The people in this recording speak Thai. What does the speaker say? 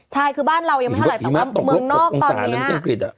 ใช่คือบ้านเรายังไม่เท่าไหร่แต่ว่าเมืองนอกตอนเนี้ย